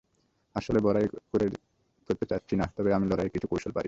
আসলে, বড়াই করতে চাইছি না, তবে আমি লড়াইয়ের কিছু কৌশল পারি।